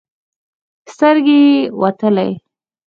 سترګې يې وتلې.